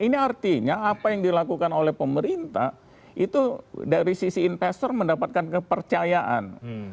ini artinya apa yang dilakukan oleh pemerintah itu dari sisi investor mendapatkan kepercayaan